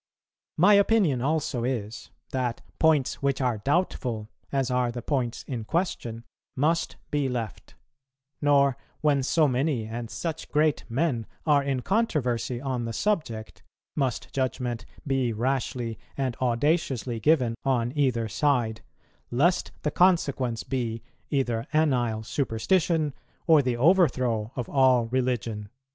My opinion also is, that points which are doubtful, as are the points in question, must be left; nor, when so many and such great men are in controversy on the subject, must judgment be rashly and audaciously given on either side, lest the consequence be either anile superstition or the overthrow of all religion."